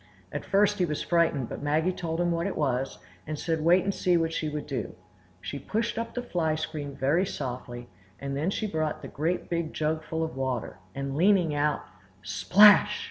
At first he was frightened, but Maggie told him what it was, and said wait and see what she would do. She pushed up the fly screen very softly, and then she brought the great big jug full of water, and leaning out,—splash!